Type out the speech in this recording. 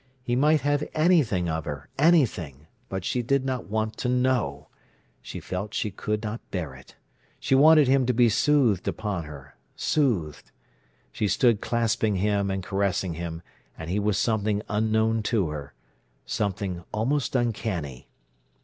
He might have anything of her—anything; but she did not want to know. She felt she could not bear it. She wanted him to be soothed upon her—soothed. She stood clasping him and caressing him, and he was something unknown to her—something almost uncanny.